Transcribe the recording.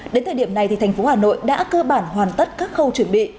đến thời điểm này thành phố hà nội đã cơ bản hoàn tất các khâu chuẩn bị